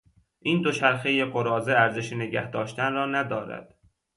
این دوچرخهی قراضه ارزش نگهداشتن را ندارد.